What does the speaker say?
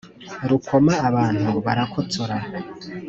Rukoma abantu barakotsora.